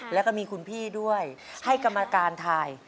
แล้วก็มีคุณพี่ด้วยให้กรรมการถ่าย